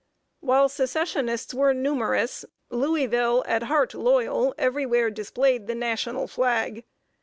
While Secessionists were numerous, Louisville, at heart loyal, everywhere displayed the national flag.